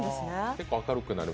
結構明るくなる。